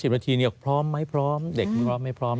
นาทีพร้อมไหมพร้อมเด็กพร้อมไม่พร้อม